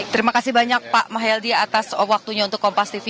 terima kasih banyak pak mahyaldi atas waktunya untuk kompastv